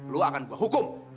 lu akan gue hukum